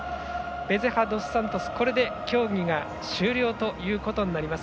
ベゼハドスサントスこれで競技が終了となります。